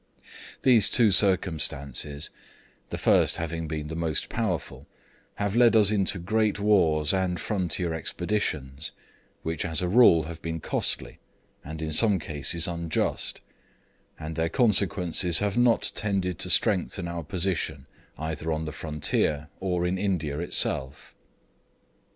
These two circumstances the first having been the most powerful have led us into great wars and frontier expeditions, which as a rule have been costly, and in some cases unjust, and their consequences have not tended to strengthen our position either on the frontier or in India itself.